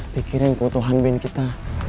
pikirin keutuhan band kita